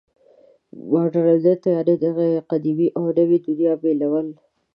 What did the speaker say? مډرنیت یعنې د قدیمې او نوې دنیا بېلول.